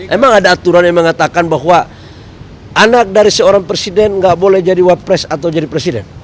emang ada aturan yang mengatakan bahwa anak dari seorang presiden nggak boleh jadi wapres atau jadi presiden